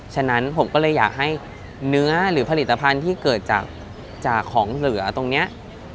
ฉะนั้นผมก็เลยอยากให้เนื้อหรือผลิตภัณฑ์ที่เกิดจากของเหลือตรงนี้